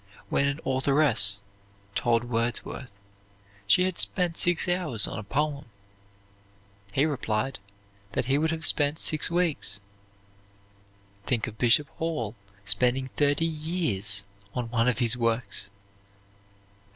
When an authoress told Wordsworth she had spent six hours on a poem, he replied that he would have spent six weeks. Think of Bishop Hall spending thirty years on one of his works!